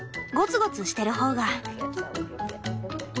ゴツゴツしてる方が。